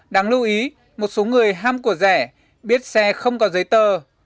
đáng lưu ý một số người ham của rẻ biết xe không có giấy tờ